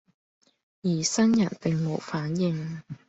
而生人並無反應，